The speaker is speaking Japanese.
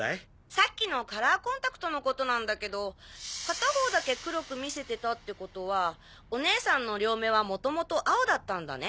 さっきのカラーコンタクトのことなんだけど片方だけ黒く見せてたってことはおねえさんの両目はもともと青だったんだね？